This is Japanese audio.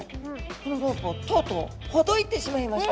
このロープをとうとうほどいてしまいました。